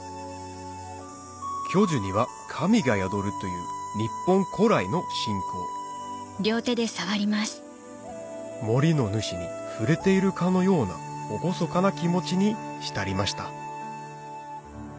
巨樹には神が宿るという日本古来の信仰森の主に触れているかのような厳かな気持ちに浸りました